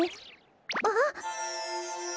あっ！